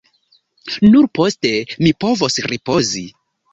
Nur poste mi povos ripozi.